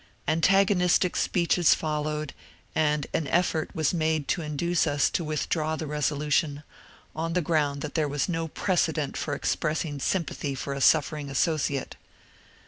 Antagonistic speeches followed, and an effort was made to induce us to withdraw the resolution, on the ground that there was no precedent for expressing sym pathy for a suffering associate.